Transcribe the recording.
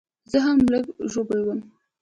زه هم لږ ژوبل وم